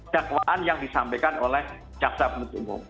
dakwaan yang disampaikan oleh jaksa penuntut umum